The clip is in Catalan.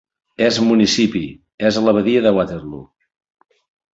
És municipi és a l'abadia de Waterloo.